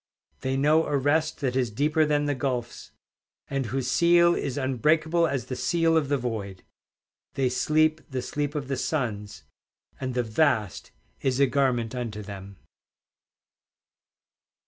They know a rest that is deeper than the gulfs, And whose seal is unbreakable as the seal of the void; They sleep the sleep of the suns, And the vast is a garment unto them.